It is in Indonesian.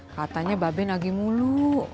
katanya mbak ben lagi mulu